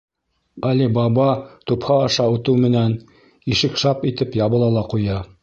Али Баба тупһа аша үтеү менән, ишек шап итеп ябыла ла ҡуя.